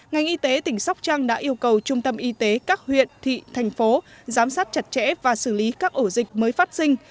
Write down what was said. ngành y tế tỉnh sóc trăng đã yêu cầu trung tâm y tế các huyện thị thành phố giám sát chặt chẽ và xử lý các ổ dịch mới phát sinh